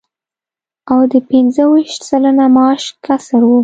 او د پنځه ویشت سلنه معاش کسر و